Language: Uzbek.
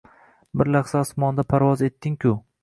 Bir lahza osmonda parvoz etdingu